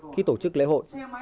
khi tổ chức lễ hội